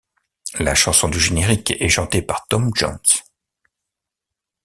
La chanson du générique est chantée par Tom Jones.